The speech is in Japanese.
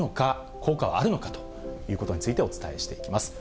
効果はあるのか？ということについてお伝えしていきます。